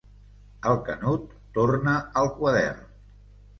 El Canut torna al quadern.